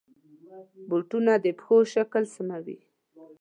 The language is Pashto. بوټونه د پښو شکل سموي.